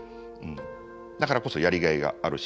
だからこそやりがいがあるし